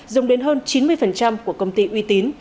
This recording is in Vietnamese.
dùng đến hơn chín mươi của công ty uy tín